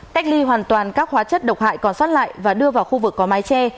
cách ly hoàn toàn các hóa chất độc hại còn sót lại và đưa vào khu vực có mái che